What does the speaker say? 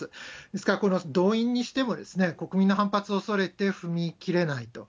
ですから、この動員にしても国民の反発をおそれて踏み切れないと。